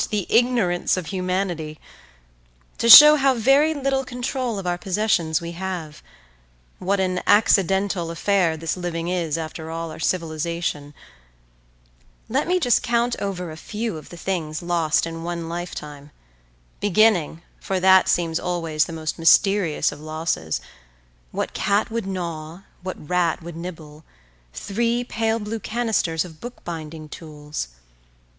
The ignorance of humanity! To show how very little control of our possessions we have—what an accidental affair this living is after all our civilization—let me just count over a few of the things lost in one lifetime, beginning, for that seems always the most mysterious of losses—what cat would gnaw, what rat would nibble—three pale blue canisters of book binding tools?